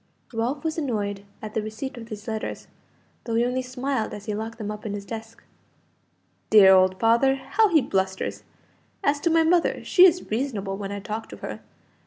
Ralph was annoyed at the receipt of these letters, though he only smiled as he locked them up in his desk. "Dear old father! how he blusters! As to my mother, she is reasonable when I talk to her.